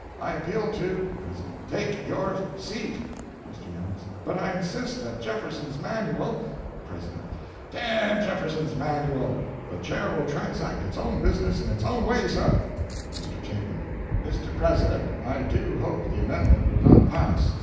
I appeal to—." The President—"Take your—seat!" Mr. Youngs—"But I insist that Jefferson's Manual—." The President—"D—n Jefferson's Manual! The Chair will transact its own business in its own way, sir." Mr. Chapin—"Mr. President: I do hope the amendment will not pass.